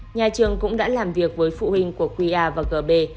nhà trường cũng đã làm việc với phụ huynh của qr và gb